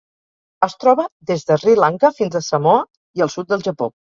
Es troba des de Sri Lanka fins a Samoa i el sud del Japó.